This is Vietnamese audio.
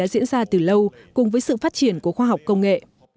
các chuyên gia đã diễn ra từ lâu cùng với sự phát triển của khoa học công nghệ